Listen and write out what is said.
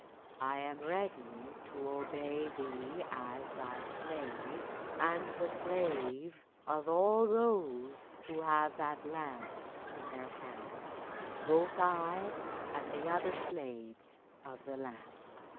I am ready to obey thee as thy slave, and the slave of all those who have that lamp in their hands, both I and the other slaves of the lamp."